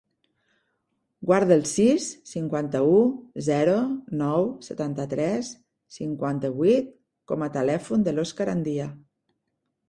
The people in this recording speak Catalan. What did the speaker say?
Guarda el sis, cinquanta-u, zero, nou, setanta-tres, cinquanta-vuit com a telèfon de l'Òscar Andia.